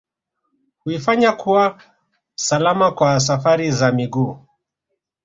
Huifanya kuwa salama kwa safari za miguu